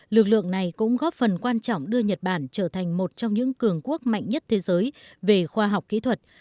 lực lượng này cũng góp phần quan trọng đưa nhật bản trở thành một trong những cường quốc mạnh nhất thế giới về khoa học kỹ thuật